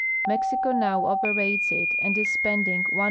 Mc'xico now operates it and is spending 81,990.